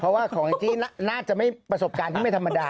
เพราะว่าของแองจี้น่าจะไม่ประสบการณ์ที่ไม่ธรรมดา